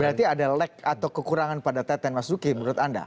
berarti ada lag atau kekurangan pada teten mas duki menurut anda